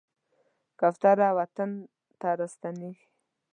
کوتره وطن ته راستنېږي.